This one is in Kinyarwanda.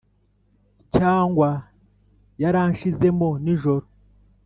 cyangwa yaranshizemo nijoro.